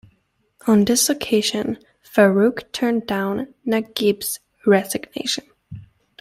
On this occasion, Farouk turned down Naguib's resignation.